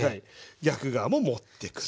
逆側も持ってくる。